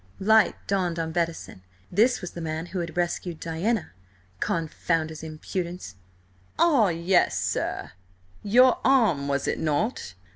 Light dawned on Bettison. This was the man who had rescued Diana, confound his impudence! "Ah, yes, sir! Your arm, was it not?